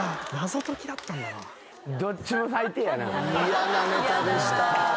嫌なネタでした。